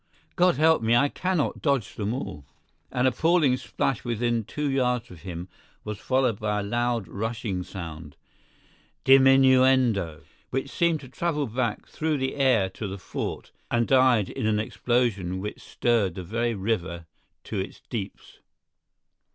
God help me, I cannot dodge them all!" An appalling splash within two yards of him was followed by a loud, rushing sound, DIMINUENDO, which seemed to travel back through the air to the fort and died in an explosion which stirred the very river to its deeps!